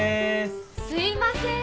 すいません。